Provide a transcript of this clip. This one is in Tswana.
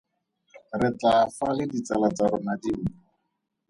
Re tlaa fa le ditsala tsa rona dimpho.